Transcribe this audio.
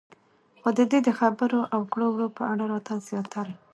خو د دې د خبرو او کړو وړو په اړه راته زياتره